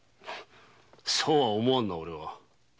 そうは思わんなオレは。